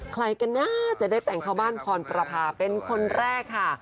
ใครกันน่าจะได้แต่งเข้าบ้านพรประพาเป็นคนแรกค่ะ